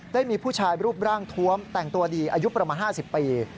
ได้มีผู้ชายรูปร่างทวมแต่งตัวดีอายุประมาณ๕๐ปี